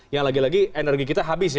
yang lagi lagi energi kita habis ya